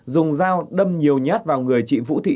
dùng dao đâm nhiều nhát vào người chị vũ thị